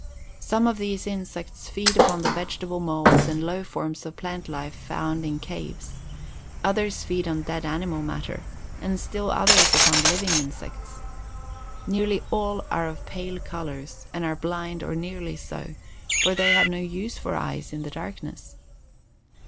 Some of these insects feed upon the vegetable molds and low forms of plant life found in caves; others feed on dead animal matter and still others upon living insects. Nearly all are of pale colors and are blind or nearly so, for they have no use for eyes in the darkness.